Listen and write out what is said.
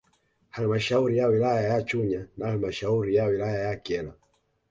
Halmashauri ya wilaya ya Chunya na halmashauri ya wilaya ya Kyela